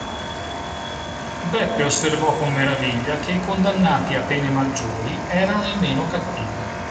Beppe osservò con meraviglia che i condannati a pene maggiori erano i meno cattivi.